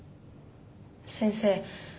先生